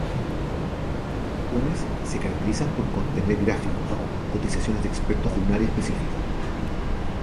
Sus presentaciones se caracterizan por contener gráficos, cotizaciones de expertos de un área específica.